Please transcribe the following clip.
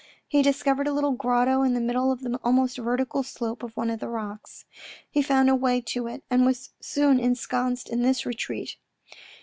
He discovered a little grotto in the middle of the almost vertical slope of one of the rocks. He found a way to it, and was soon ensconced in this retreat.